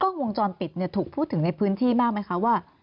กล้องวงจรปิดถูกพูดถึงในพื้นที่มากไหมคะ